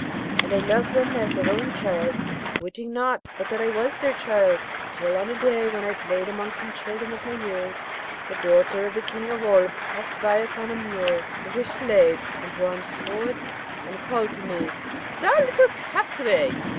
And I loved them as their own child, witting not but that I was their child, till on a day while I played among some children of my years, the daughter of the King of Oolb passed by us on a mule, with her slaves and drawn swords, and called to me, 'Thou little castaway!'